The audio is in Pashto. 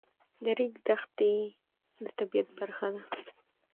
د ریګ دښتې د طبیعت برخه ده.